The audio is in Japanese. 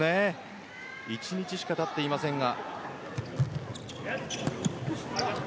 １日しかたっていませんが。